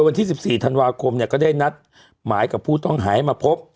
วันที่๑๔ธันวาคมเนี่ยก็ได้นัดหมายกับผู้ต้องหาให้มาพบ